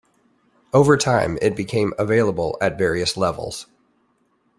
Over time it became available at various levels.